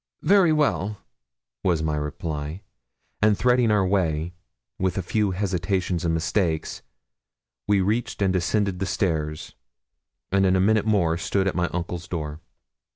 'Very well,' was my reply; and threading our way, with a few hesitations and mistakes, we reached and descended the stairs, and in a minute more stood at my uncle's door.